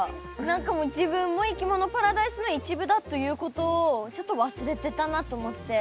何か自分もいきものパラダイスの一部だということをちょっと忘れてたなと思って。